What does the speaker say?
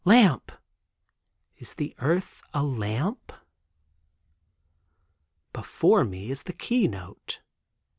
Lamp! Is the earth a lamp? Before me is the key note.